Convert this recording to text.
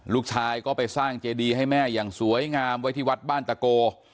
ลูกชายก็ไปสร้างเจดีให้แม่อย่างสวยงามไว้ที่วัดบ้านตะโก